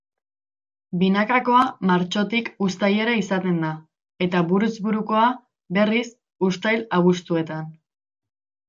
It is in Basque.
Binakakoa martxotik uztailera izaten da, eta buruz burukoa, berriz, uztail-abuztuetan.